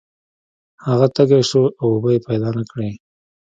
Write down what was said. هغه تږی شو او اوبه یې پیدا نه کړې.